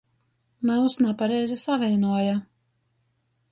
Myus napareizi savīnuoja.